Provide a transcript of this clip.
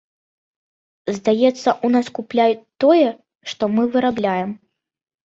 Здаецца, у нас купляюць тое, што мы вырабляем.